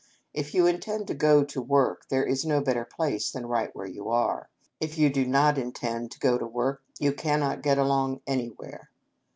If you intend to go to work, there is no better place than right where you are ; if you do not intend to go to work you cannot get along anywhere.